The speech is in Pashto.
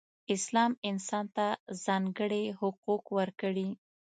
اسلام انسان ته ځانګړې حقوق ورکړئ.